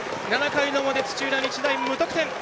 ７回の表、土浦日大、無得点。